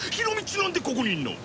ちなんでここにいるの？